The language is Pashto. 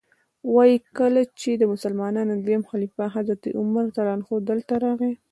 وایي کله چې د مسلمانانو دویم خلیفه حضرت عمر رضی الله عنه دلته راغی.